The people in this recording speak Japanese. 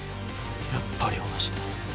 やっぱり同じだ。